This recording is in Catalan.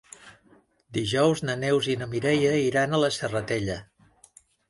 Dijous na Neus i na Mireia iran a la Serratella.